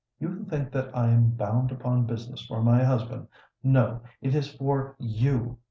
You think that I am bound upon business for my husband:—no, it is for you!